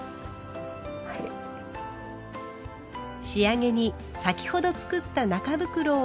仕上げに先ほど作った中袋を入れれば完成です。